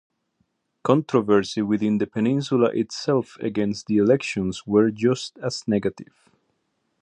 Controversy within the peninsula itself against the elections were just as negative.